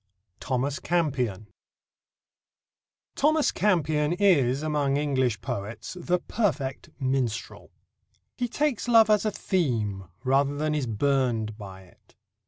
THOMAS CAMPION Thomas Campion is among English poets the perfect minstrel. He takes love as a theme rather than is burned by it.